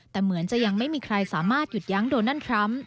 แต่เหมือนจะยังไม่มีใครสามารถหยุดยั้งโดนัลด์ทรัมป์